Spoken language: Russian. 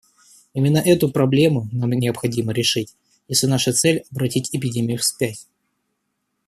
Именно эту проблему нам необходимо решить, если наша цель — обратить эпидемию вспять.